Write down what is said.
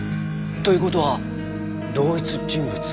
という事は同一人物？